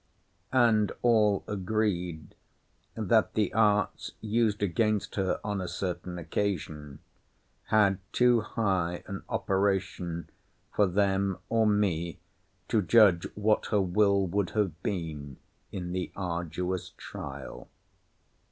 And all agreed, that the arts used against her on a certain occasion, had too high an operation for them or me to judge what her will would have been in the arduous trial.